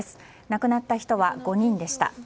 亡くなった人は５人でした。